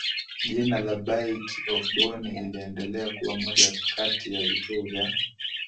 jina la Bight of Bonny iliendelea kuwa moja kati ya vituo vya